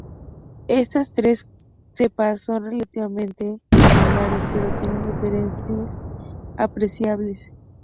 Estas tres cepas son relativamente similares pero tienen diferencias apreciables.